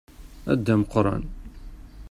A Dda Meqqran.